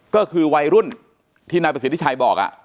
ก็คือวัยรุ่นที่นายประสิทธิชัยบอก